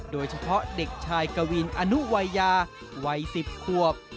โดยเฉพาะเด็กชายกวินอนุวัยยาวัย๑๐ขวบ